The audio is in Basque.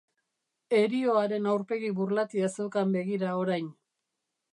Herioaren aurpegi burlatia zeukan begira orain.